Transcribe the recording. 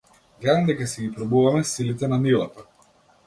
Гледам дека си ги пробуваме силите на нивата?